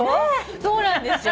そうなんですよ。